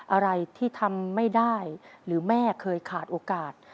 อะไรที่ทำไม่ได้หรือแม่เคยขาดโอกาส